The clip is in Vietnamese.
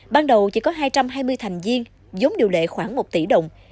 ban đầu chỉ có hai trăm hai mươi thành viên giống điều lệ khoảng một tỷ đồng